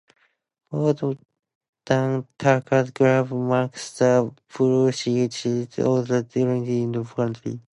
"Old Dan Tucker's Grave" marks the burial site of Reverend Tucker in Elbert County.